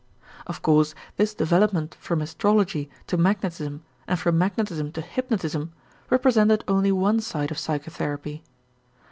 Of course this development from astrology to magnetism and from magnetism to hypnotism represented only one side of psychotherapy.